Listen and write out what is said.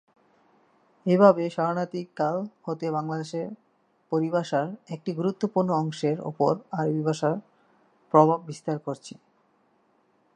এভাবে স্মরণাতীতকাল হতে বাংলাদেশের পরিভাষার একটি গুরুত্বপূর্ণ অংশের ওপর আরবি ভাষা প্রভাব বিস্তার করেছে।